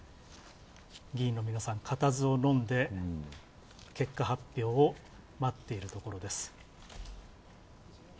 議員の皆さん、固唾をのんで結果発表を待っているところです。